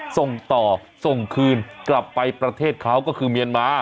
ส่งต่อส่งคืนกลับไปประเทศเขาก็คือเมียนมา